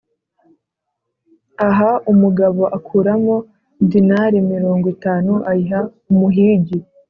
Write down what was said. aha, umugabo akuramo dinari mirongo itanu ayiha umuhigi.